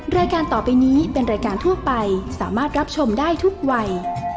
รายการต่อไปนี้เป็นรายการทั่วไปสามารถรับชมได้ทุกวัย